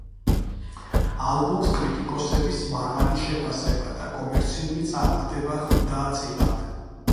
ალბომს კრიტიკოსების მაღალი შეფასება და კომერციული წარმატება ხვდა წილად.